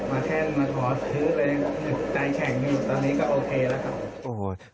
มาแท่นมาถอดซื้อเลยใจแข็งดีตอนนี้ก็โอเคแล้วครับ